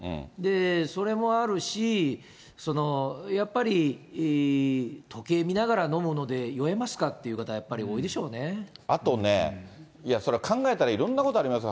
それもあるし、やっぱり時計見ながら飲むので酔えますかっていう方、あとね、いや、そりゃ考えたらいろんなことありますよ。